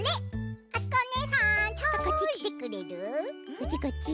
こっちこっち。